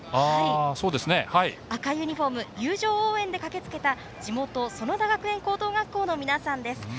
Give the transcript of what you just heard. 赤いユニフォームは友情応援で駆けつけた地元・園田学園高等学校の皆さんです。